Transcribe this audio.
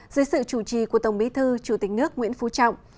dưới sự chủ trì của tổng bí thư chủ tịch nước nguyễn phú trọng